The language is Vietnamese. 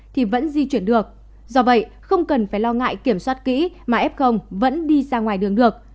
thì vẫn di chuyển được do vậy không cần phải lo ngại kiểm soát kỹ mà f vẫn đi ra ngoài đường được